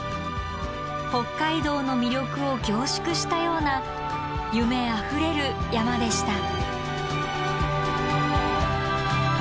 北海道の魅力を凝縮したような夢あふれる山でした。